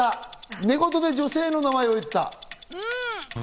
寝言で女性の名前を言った。